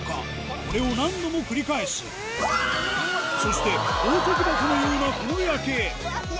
これを何度も繰り返すそして宝石箱のようなこの夜景